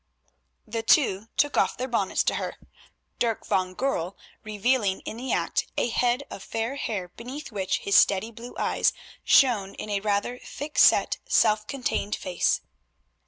The two took off their bonnets to her, Dirk van Goorl revealing in the act a head of fair hair beneath which his steady blue eyes shone in a rather thick set, self contained face.